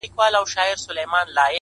مخ ځيني اړومه!!